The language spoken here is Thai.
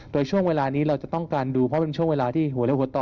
โดยช่วงเวลานี้เราจะต้องการดูเพราะเป็นช่วงเวลาที่หัวและหัวต่อ